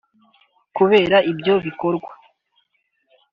Kubera ibyo bikorwa